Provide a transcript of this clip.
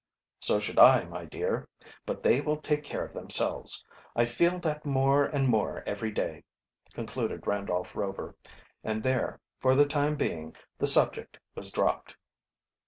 "So should I, my dear. But they will take care of themselves, I feel that more and more every day," concluded Randolph Rover; and there, for the time being, the subject was dropped.